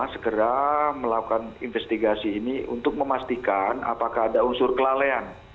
segera melakukan investigasi ini untuk memastikan apakah ada unsur kelalaian